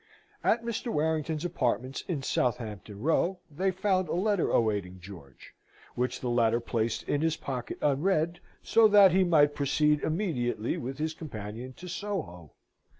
At Mr. Warrington's apartments in Southampton Row, they found a letter awaiting George, which the latter placed in his pocket unread, so that he might proceed immediately with his companion to Soho.